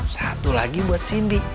satu lagi buat sindi